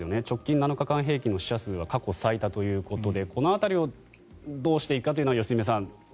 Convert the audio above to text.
直近７日間平均の死者数は過去最多ということでこの辺りをどうしていくかというのは良純さん